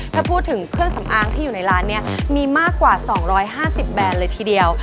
ถ้าพูดถึงเครื่องสำอางที่อยู่ในร้านนี้มีมากกว่า๒๕๐แบรนด์เลยทีเดียว